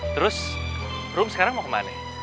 terus rum sekarang mau kemana